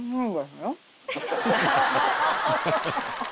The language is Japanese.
うん！